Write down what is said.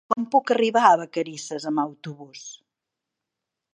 Com puc arribar a Vacarisses amb autobús?